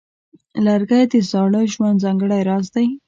لرګی د زاړه ژوند ځانګړی راز دی.